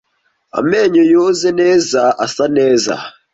amenyo yoze neza asa neza